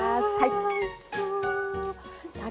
あおいしそう。